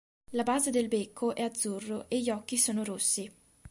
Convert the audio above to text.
La base del becco è azzurro e gli occhi sono rossi.